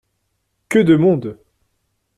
Que de monde !